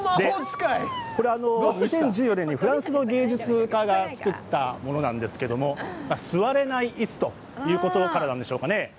これ２０１４年にフランスの芸術家が作ったものなんですけれども座れない椅子ということからなんでしょうかね